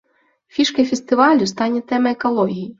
Фішкай фестывалю стане тэма экалогіі.